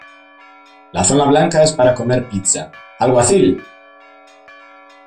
La zona blanca es para comer pizza ¡ Alguacil!